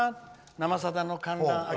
「生さだ」の観覧。